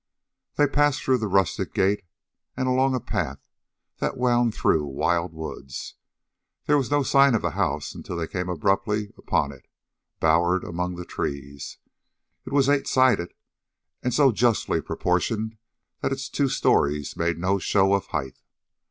They passed through the rustic gate and along a path that wound through wild woods. There was no sign of the house until they came abruptly upon it, bowered among the trees. It was eight sided, and so justly proportioned that its two stories made no show of height.